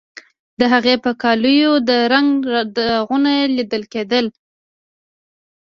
د هغې په کالیو د رنګ داغونه لیدل کیدل